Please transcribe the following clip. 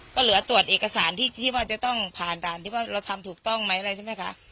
ก็เหลือตรวจเอกสารที่ว่าจะต้องผ่านด่านที่ว่าเราทำถูกต้องไหมอะไรใช่ไหมคะ